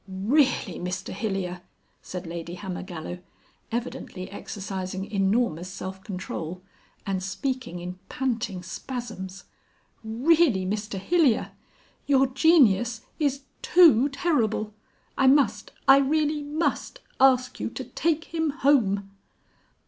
"Really, Mr Hilyer!" said Lady Hammergallow, evidently exercising enormous self control and speaking in panting spasms. "Really, Mr Hilyer! Your genius is too terrible. I must, I really must, ask you to take him home."